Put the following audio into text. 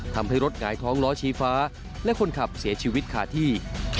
ทำให้รถหงายท้องล้อชี้ฟ้าและคนขับเสียชีวิตขาดที่